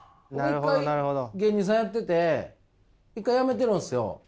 一回芸人さんやってて一回辞めてるんですよ。